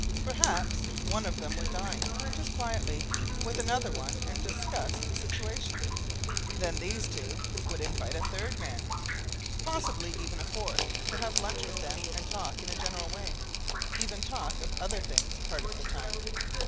Perhaps one of them would dine, just quietly, with another one and discuss the situation. Then these two would invite a third man, possibly even a fourth, to have lunch with them and talk in a general way, even talk of other things part of the time.